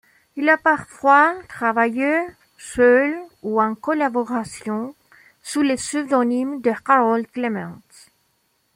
Il a parfois travaillé, seul ou en collaboration, sous le pseudonyme de Harold Clements.